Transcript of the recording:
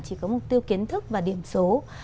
chỉ có mục tiêu kiến thức và điểm số